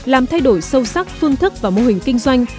làm thay đổi sâu sắc phương thức và mô hình kinh doanh